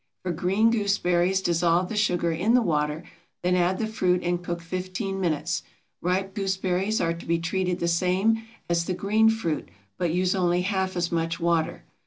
For green gooseberries dissolve the sugar in the water, then add the fruit and cook fifteen minutes. Ripe gooseberries are to be treated the same as the green fruit, but use only half as much water.